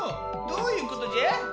どういうことじゃ？